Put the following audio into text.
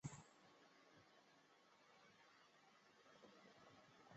高级强调的是使用复杂精密的恶意软件及技术以利用系统中的漏洞。